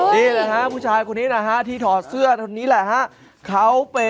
นี่แหละค่ะผู้ชายคนนี้นะฮะ